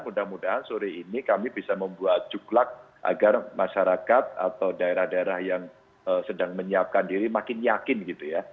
mudah mudahan sore ini kami bisa membuat juklak agar masyarakat atau daerah daerah yang sedang menyiapkan diri makin yakin gitu ya